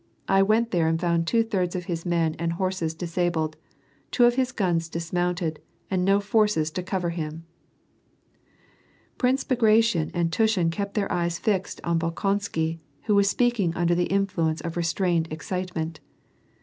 I went there and found two thirds of his men and horses disabled, two of his guns dismounted, and no forces to cover him !" Prince Bagration and Tushin kept their eyes fixed on Bol konsky, who was speaking under the influence of restrained excitement.